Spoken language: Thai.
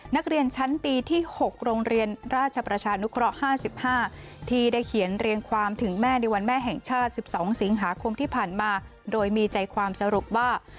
นักเรียนชั้นปีที่๖โรงเรียนราชประชานุเคราะห์๕๕ที่ได้เขียนเรียงความถึงแม่ในวันแม่แห่งชาติ๑๒สิงหาคมที่ผ่านมาโดยมีใจความสรุปว่า